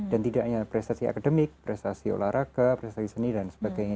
dan tidak hanya prestasi akademik prestasi olahraga prestasi seni dan sebagainya